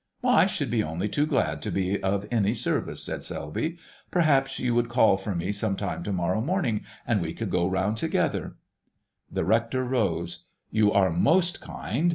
"I should be only too glad to be of any service," said Selby. "Perhaps you would call for me some time to morrow morning, and we could go round together——?" The rector rose. "You are most kind.